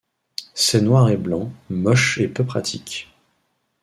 C'est noir et blanc, moche et peu pratique.